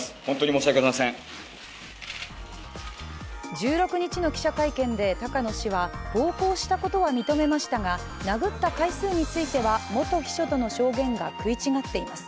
１６日に記者会見で高野氏は暴行したことは認めましたが殴った回数については元秘書との証言が食い違っています。